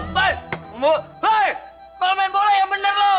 kau main bola yang bener loh